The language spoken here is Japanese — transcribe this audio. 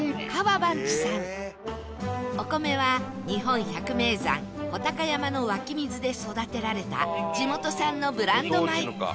お米は日本百名山武尊山の湧き水で育てられた地元産のブランド米